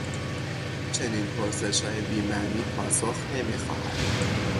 چنین پرسشهای بیمعنی پاسخ نمیخواهد.